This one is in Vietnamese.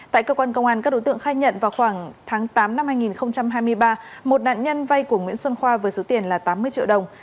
tại cơ quan công an các đối tượng khai nhận vào khoảng tháng tám năm hai nghìn hai mươi ba một nạn nhân vay của nguyễn xuân khoa với số tiền là tám mươi triệu đồng